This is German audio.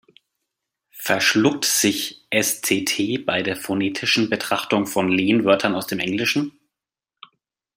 "Verschluckt" sich S-T-T bei der phonetischen Betrachtung von Lehnwörtern aus dem Englischen?